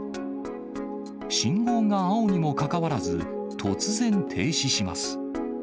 信号が青にもかかわらず、突然停止します。